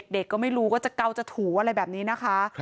เด็กก็ไม่รู้ว่าจะเกาจะถูอะไรแบบนี้นะคะ